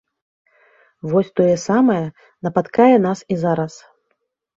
Вось тое самае напаткае нас і зараз.